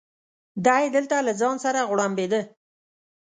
دی دلته له ځان سره غوړمبېده.